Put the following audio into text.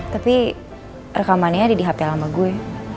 tapi rekamannya ada di hp lama gue